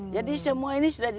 jadi semua ini sudah di